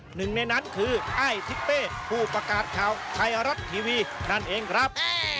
หนึ่งในนั้นคือไอ้ทิเป้ผู้ประกาศข่าวไทยรัฐทีวีนั่นเองครับ